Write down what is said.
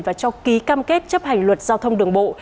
và cho ký cam kết chấp hành luật giao thông đường bộ